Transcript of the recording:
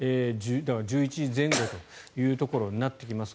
１１時前後というところになってきます。